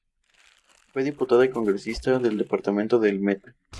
Fue Diputada y Congresista del Departamento del Meta.